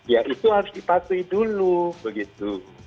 ya itu harus dipatuhi dulu begitu